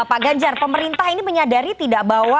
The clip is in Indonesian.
pak ganjar pemerintah ini menyadari tidak bahwa